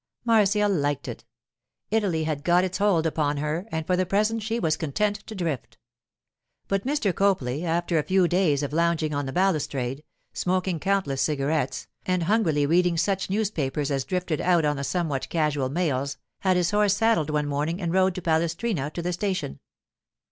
Marcia liked it. Italy had got its hold upon her, and for the present she was content to drift. But Mr. Copley, after a few days of lounging on the balustrade, smoking countless cigarettes and hungrily reading such newspapers as drifted out on the somewhat casual mails, had his horse saddled one morning and rode to Palestrina to the station.